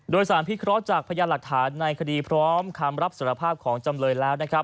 โดยสารพิเคราะห์จากพยานหลักฐานในคดีพร้อมคำรับสารภาพของจำเลยแล้วนะครับ